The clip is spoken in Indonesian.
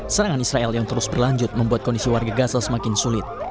serangan israel yang terus berlanjut membuat kondisi warga gaza semakin sulit